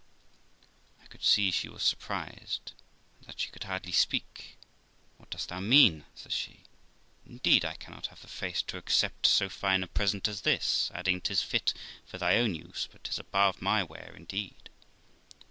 I could see she was surprised, and that she could hardly speak. 'What dost thou mean?' says she. 'Indeed I cannot have the face to accept so fine a. present as this'; adding, 'Tis fit for thy own use, but 'tis above my wear, indeed.'